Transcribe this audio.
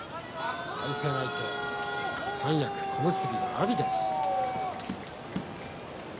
対戦相手、三役小結の阿炎です。